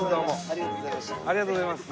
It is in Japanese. ありがとうございます。